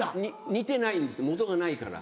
似てないんですもとがないから。